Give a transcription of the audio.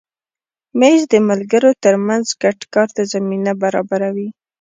مېز د ملګرو تر منځ ګډ کار ته زمینه برابروي.